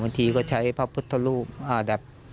บางทีก็ใช้พระพุทธรูปแบบ